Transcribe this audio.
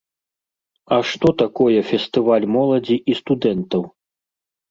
А што такое фестываль моладзі і студэнтаў?